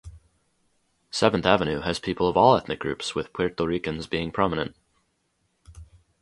Seventh Avenue has people of all ethnic groups, with Puerto Ricans being prominent.